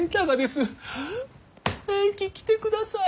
えいき来てください。